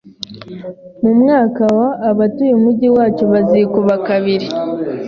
Umwaka wa , abatuye umujyi wacu bazikuba kabiri.